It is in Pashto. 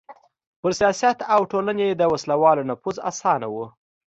پر سیاست او ټولنې د وسله والو نفوذ اسانه و.